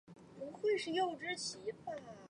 赫氏海猪鱼为隆头鱼科海猪鱼属的鱼类。